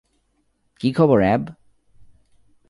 কী খবর, অ্যাব?